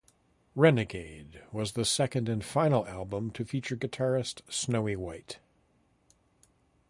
Renegade was the second and final album to feature guitarist Snowy White.